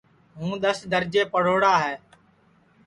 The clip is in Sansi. ہُوں دؔس درجے پڑھوڑا ہے